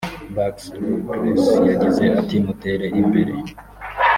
Barks-Ruggles yagize ati” mutere imbere